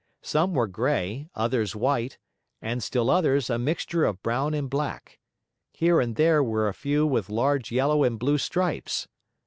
Some were gray, others white, and still others a mixture of brown and black. Here and there were a few with large yellow and blue stripes.